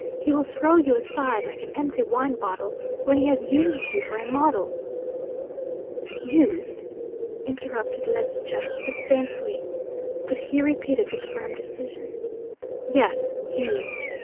He will throw you aside like an empty wine bottle when he has used you for a model." "Used?" interrupted Ledscha disdainfully; but he repeated with firm decision: "Yes, used!